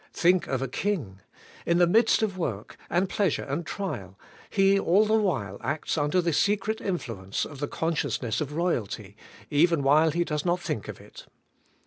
Think of a king: in the midst of work, and pleasure, and trial, he all the while acts under the secret influence of the consciousness of royalty, even while he does not think of it.